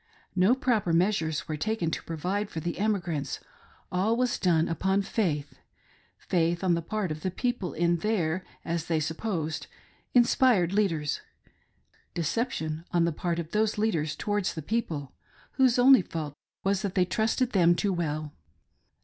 No proper measures were taken to provide for the emigrants — all was done upon faith — faith on the part of the people in their — as they sup posed— inspired leaders ; deception on the part of those lead ers towards the people, whose only fault was that they trusted them too well.